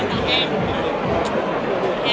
ตกตัวแกงเลย